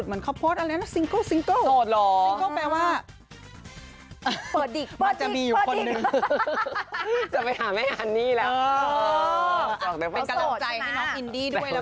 เหมือนเขาโปรด